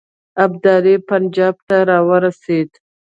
ابدالي پنجاب ته را ورسېد.